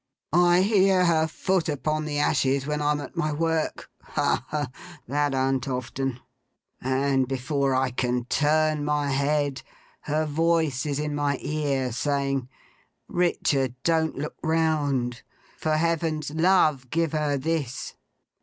I hear her foot upon the ashes when I'm at my work (ha, ha! that an't often), and before I can turn my head, her voice is in my ear, saying, "Richard, don't look round. For Heaven's love, give her this!"